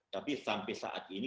tapi sampai saat ini